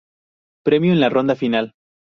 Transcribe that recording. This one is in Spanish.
Premio en la ronda final.